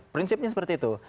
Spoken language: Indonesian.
prinsipnya seperti itu